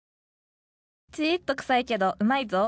ちいっと臭いけどうまいぞ。